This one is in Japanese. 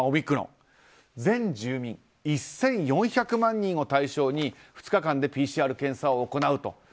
全住民１４００万人を対象に２日間でＰＣＲ検査を行うと。